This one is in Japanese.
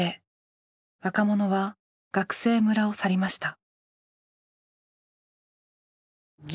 若者は学生村を去りました。